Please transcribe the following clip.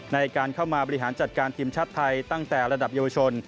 ในการเข้ามาบริหารจัดการทีมชาติไทยตั้งแต่ระดับเยาวชน